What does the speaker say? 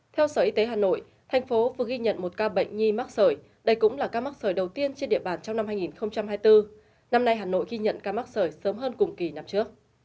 theo sở y tế hà nội thành phố vừa ghi nhận một ca bệnh nhi mắc sởi đây cũng là ca mắc sởi đầu tiên trên địa bàn trong năm hai nghìn hai mươi bốn năm nay hà nội ghi nhận ca mắc sởi sớm hơn cùng kỳ năm trước